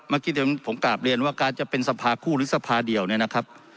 เมื่อกี้เดี๋ยวผมกลับเรียนว่าการจะเป็นสภาคู่หรือสภาเดียวเนี่ยนะครับ